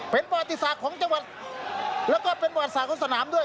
เป็นประวัติศาสตร์ของจังหวัดแล้วก็เป็นประวัติศาสตร์ของสนามด้วย